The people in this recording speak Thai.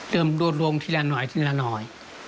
เริ่มรวดลงทีละหน่อย